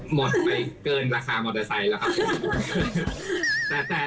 หมดไปเกินราคามอเตอร์ไซค์แล้วครับ